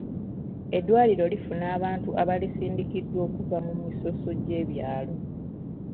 Eddwaliro lifuna abantu abalisindikiddwa okuva mu misoso gy'ebyalo.